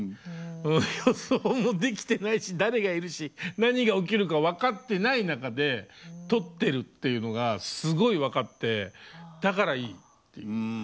予想もできてないし誰がいるし何が起きるか分かってない中で撮ってるっていうのがすごい分かってだからいいっていう。